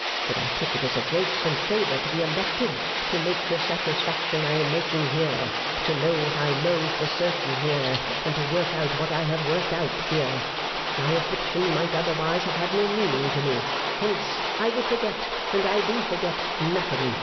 But I take it as a grace and favour to be elected to make the satisfaction I am making here, to know what I know for certain here, and to work out what I have worked out here. My affliction might otherwise have had no meaning to me. Hence I would forget, and I do forget, nothing.